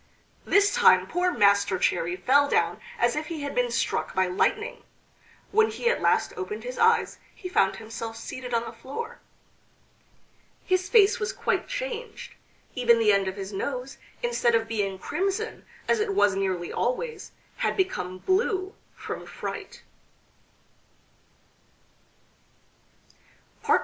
This time poor Master Cherry fell down as if he had been struck by lightning. When he at last opened his eyes he found himself seated on the floor. His face was quite changed; even the end of his nose, instead of being crimson, as it was nearly always, had become blue from fright.